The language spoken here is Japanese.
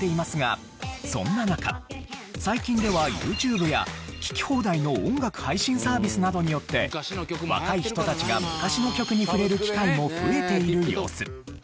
そんな中最近ではＹｏｕＴｕｂｅや聴き放題の音楽配信サービスなどによって若い人たちが昔の曲に触れる機会も増えている様子。